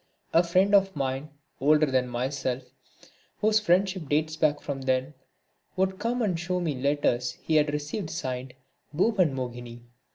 A friend of mine, older than myself, whose friendship dates from then, would come and show me letters he had received signed Bhubanmohini.